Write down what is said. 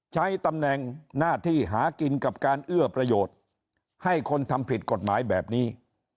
ใช้ตำแหน่งหน้าที่หากินกับการเอื้อประโยชน์ให้คนทำผิดกฎหมายแบบนี้